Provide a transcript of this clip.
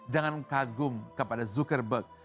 jangan kagum kepada zuckerberg